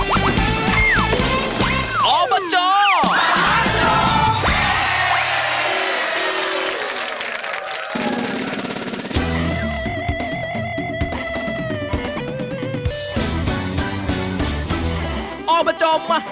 มาเยือนทินกระวีและสวัสดี